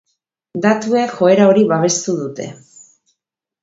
Datuek joera hori babestu dute.